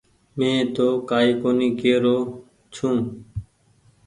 مين تو ڪآئي ڪونيٚ ڪي رو ڇي۔